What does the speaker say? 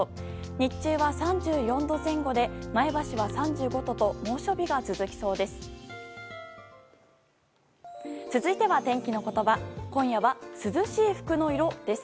日中は３４度前後で前橋は３５度と猛暑日が続きそうです。